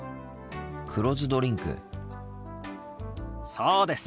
そうです。